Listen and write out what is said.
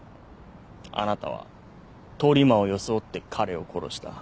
あなたは通り魔を装って彼を殺した。